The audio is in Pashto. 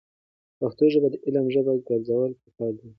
پښتو ژبه د علم ژبه ګرځول پکار دي.